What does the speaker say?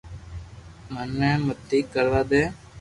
مني متي ڪر وا دي